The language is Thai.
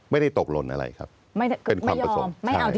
ไม่ได้ตกลนอะไรครับเป็นความประสงค์